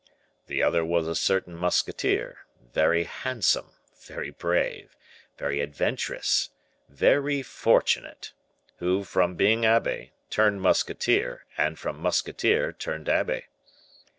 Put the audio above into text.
"The other was a certain musketeer, very handsome, very brave, very adventurous, very fortunate, who, from being abbe, turned musketeer, and from musketeer turned abbe."